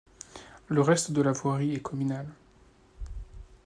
Le reste de la voirie est communale.